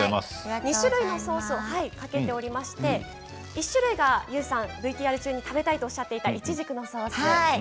２種類のソースをかけておりまして１種類がＹＯＵさんＶＴＲで食べたいとおっしゃっていたイチジクのソース